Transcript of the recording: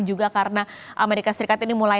juga karena amerika serikat ini mulai